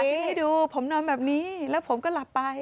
สาธิกายให้ดูนอนแบบนี้แล้วผมก็หลับไป